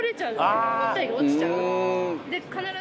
本体が落ちちゃう。